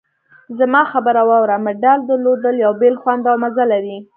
زما خبره واوره! مډال درلودل یو بېل خوند او مزه لري.